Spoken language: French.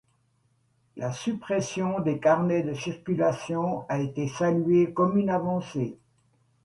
La suppression des carnets de circulation a été saluée comme une avancée.